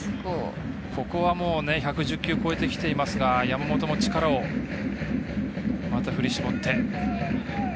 ここは、１１０球を超えてきていますが山本も力をまた振り絞って。